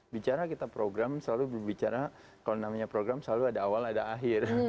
bicara kita program selalu berbicara kalau namanya program selalu ada awal ada akhir